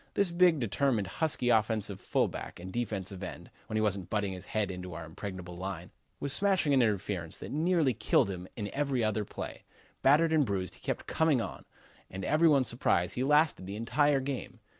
This big, determined, husky offensive fullback and defensive end, when he wasn't butting his head into our impregnable line, was smashing an interference that nearly killed him in every other play. Battered and bruised he kept coming on, and to every one's surprise he lasted the entire game.